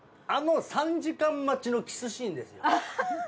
あの３時間待ちのキスシーンですよ。